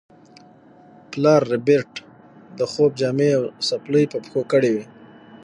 پلار ربیټ د خوب جامې او څپلۍ په پښو کړې وې